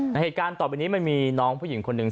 เหตุการณ์ต่อไปนี้มันมีน้องผู้หญิงคนหนึ่ง